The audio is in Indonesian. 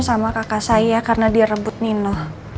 sama kakak saya karena dia rebut nino